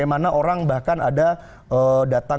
ini kan heran